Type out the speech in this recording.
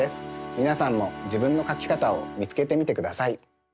みなさんもじぶんのかきかたをみつけてみてください。